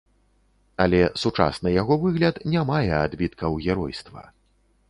Але сучасны яго выгляд не мае адбіткаў геройства.